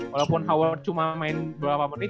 walaupun hour cuma main berapa menit